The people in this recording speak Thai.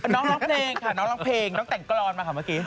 น้องร้องเพลงค่ะน้องร้องเพลงน้องแต่งกรอนมาค่ะเมื่อกี้